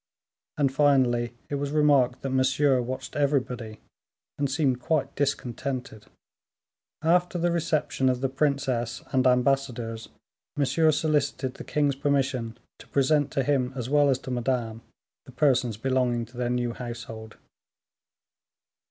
and finally it was remarked that Monsieur watched everybody, and seemed quite discontented. After the reception of the princess and ambassadors, Monsieur solicited the king's permission to present to him as well as to Madame the persons belonging to their new household.